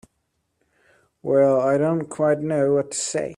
Well—I don't quite know what to say.